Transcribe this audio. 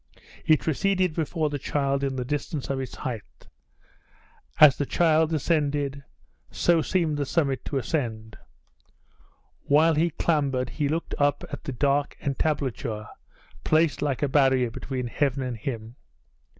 It receded before the child in the distance of its height. As the child ascended, so seemed the summit to ascend. While he clambered he looked up at the dark entablature placed like a barrier between heaven and him.